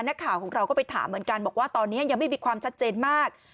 นักข่าวของเราก็ไปถามเหมือนกันบอกว่าตอนนี้ยังไม่มีความชัดเจนมาก